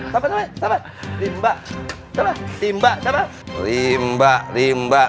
siapa siapa siapa